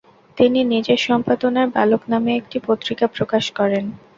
তিনি নিজের সম্পাদনায় বালক নামে একটি পত্রিকা প্রকাশ করেন।